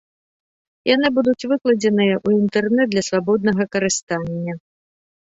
Яны будуць выкладзеныя ў інтэрнэт для свабоднага карыстання.